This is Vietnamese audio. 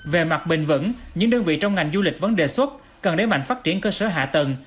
về mặt bình vẫn những đơn vị trong ngành du lịch vẫn đề xuất cần đẩy mạnh phát triển cơ sở hạ tầng